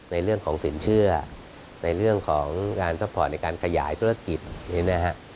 ในเรื่องของสินเชื่อในเรื่องของงานซัพพอร์ตในการขยายธุรกิจนี้นะฮะ